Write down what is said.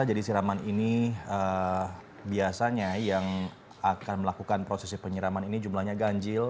siraman ini biasanya yang akan melakukan prosesi penyiraman ini jumlahnya ganjil